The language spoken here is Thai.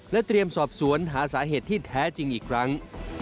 เตรียมสอบสวนหาสาเหตุที่แท้จริงอีกครั้ง